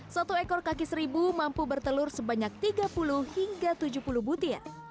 satu ekor kaki seribu mampu bertelur sebanyak tiga puluh hingga tujuh puluh butir